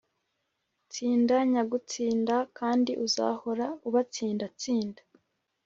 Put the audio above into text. tsinda nyagutsinda kandi uzahora ubatsinda, tsinda.